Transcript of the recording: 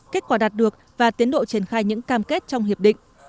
kết quả đạt được và tiến độ triển khai những cam kết trong hiệp định